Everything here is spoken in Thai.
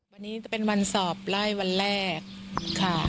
วันนี้จะเป็นวันสอบไล่วันแรกค่ะ